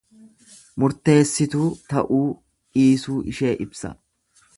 Murteessituu ta'uu dhiisuu ishee ibsa.